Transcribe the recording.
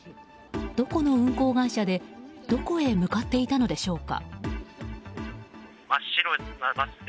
どこの運行会社でどこへ向かっていたのでしょうか。